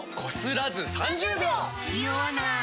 ニオわない！